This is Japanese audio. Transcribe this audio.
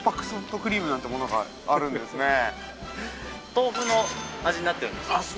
豆腐の味になっているんです。